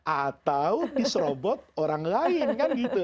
atau diserobot orang lain kan gitu